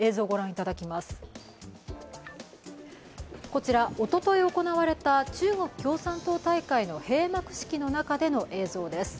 こちら、おととい行われた中国共産党大会の閉幕式の中での映像です。